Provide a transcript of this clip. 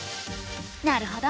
なるほど。